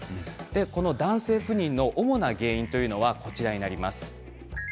この男性不妊の主な原因というのはこちらです。